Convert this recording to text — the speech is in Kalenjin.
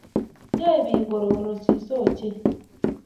Yae biik kororosiso ochei